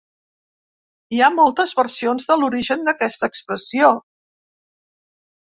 Hi ha moltes versions de l'origen d'aquesta expressió.